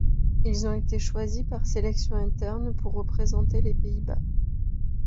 Ils ont été choisis par sélection interne pour représenter les Pays-Bas.